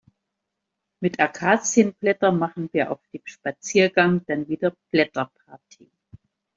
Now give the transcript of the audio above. Mit Akazienblätter machen wir auf dem Spaziergang dann wieder Blätterparty.